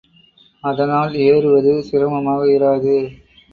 அதனால் ஏறுவது சிரமமாக இராது.